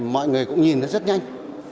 mọi người cũng nhìn nó rất nhanh